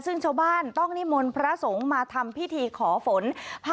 ซึ่งชาวบ้านต้องนิมนต์พระสงฆ์มาทำพิธีขอฝน